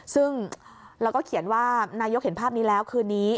ซึ่งเราก็เขียนว่านายกเห็นภาพนี้แล้วคืนนี้